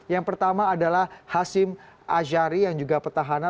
yang pertama adalah hasim azhari yang juga petahana